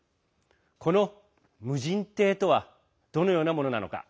この無人艇とはどのようなものなのか。